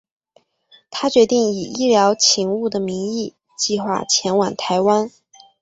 他决定以医疗勤务的名义计画前往台湾。